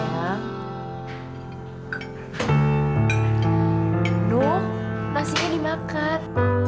hai dublin ini makan